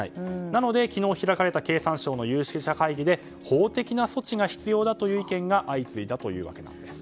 なので昨日開かれた経産省の有識者会議で法的な措置が必要だという意見が相次いだわけなんです。